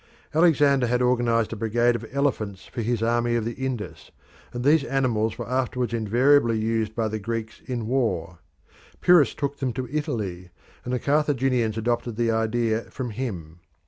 Alexander had organised a brigade of elephants for his army of the Indus, and these animals were afterwards invariably used by the Greeks in war. Pyrrhus took them to Italy, and the Carthaginians adopted the idea from him.